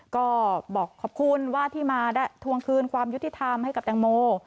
ก็บอกขอบคุณว่าที่มาทวงคืนความยุติธรรมให้กับแตงโม